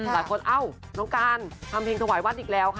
เอ้าน้องการทำเพลงถวายวัดอีกแล้วค่ะ